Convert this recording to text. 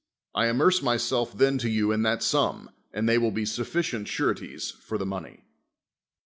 I amerce myself then to you in that sum ; and they will be sufficient sureties for the money.